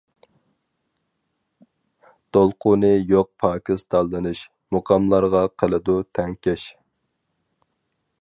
دولقۇنى يوق پاكىز تاللىنىش، مۇقاملارغا قىلىدۇ تەڭكەش.